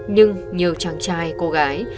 nhưng nhiều chàng trai cô gái